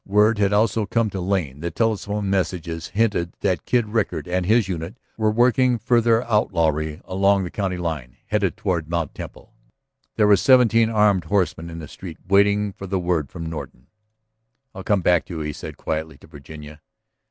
Word had also come to Lane that telephone messages hinted that Kid Rickard and his unit were working further outlawry along the county line, headed toward Mt. Temple. There were seventeen armed horsemen in the street waiting for the word from Norton. "I'll come back to you," he said quietly to Virginia.